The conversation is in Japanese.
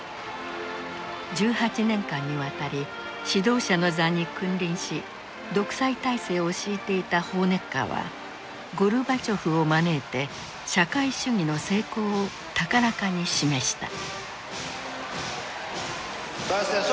１８年間にわたり指導者の座に君臨し独裁体制を敷いていたホーネッカーはゴルバチョフを招いて社会主義の成功を高らかに示した。